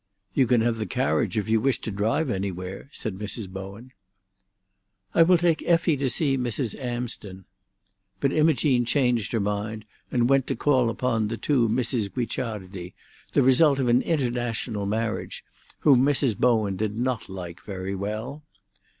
"You can have the carriage if you wish to drive anywhere," said Mrs. Bowen. "I will take Effie to see Mrs. Amsden." But Imogene changed her mind, and went to call upon two Misses Guicciardi, the result of an international marriage, whom Mrs. Bowen did not like very well.